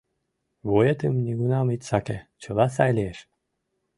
Вуетым нигунам ит саке — чыла сай лиеш...